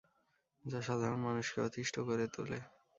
যা সাধারণ মানুষকে অতিষ্ঠ করে তোলে।